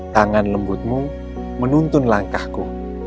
tangan lembutmu menuntun langkahku